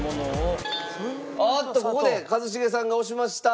おっとここで一茂さんが押しました。